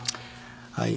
はい。